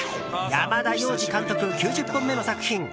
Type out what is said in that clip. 山田洋次監督９０本目の作品。